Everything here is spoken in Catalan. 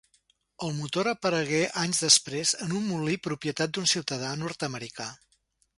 El motor aparegué anys després en un molí propietat d'un ciutadà nord-americà.